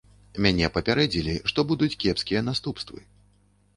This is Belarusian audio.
Мяне папярэдзілі, што будуць кепскія наступствы.